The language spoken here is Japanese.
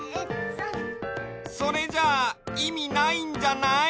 それじゃいみないんじゃない？